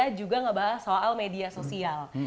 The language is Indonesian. kita juga ngebahas soal media sosial